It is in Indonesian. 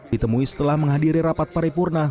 ditemui setelah menghadiri rapat paripurna